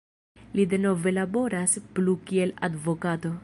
Li denove laboras plu kiel advokato.